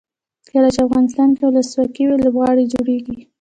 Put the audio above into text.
کله چې افغانستان کې ولسواکي وي لوبغالي جوړیږي.